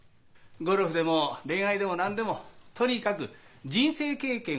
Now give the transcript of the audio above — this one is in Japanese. ゴルフでも恋愛でも何でもとにかく人生経験を積んでください。